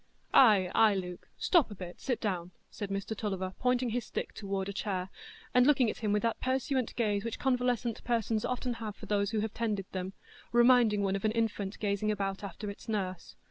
"Ay, ay, Luke; stop a bit, sit down," said Mr Tulliver pointing his stick toward a chair, and looking at him with that pursuant gaze which convalescent persons often have for those who have tended them, reminding one of an infant gazing about after its nurse.